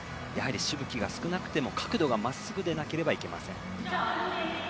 しぶきが少なくても角度がまっすぐでなくてはいけません。